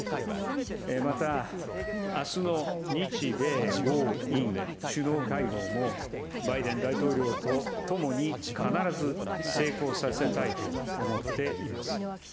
また、あすの日米豪印首脳会合も、バイデン大統領と共に必ず成功させたいと思っています。